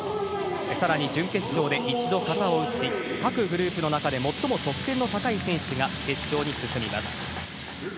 更に準決勝で１度形を打ち各グループの中で最も得点の高い選手が決勝に進みます。